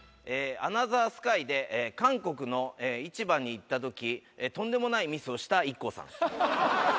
「アナザースカイ」で韓国の市場に行ったときとんでもないミスをしたＩＫＫＯさん。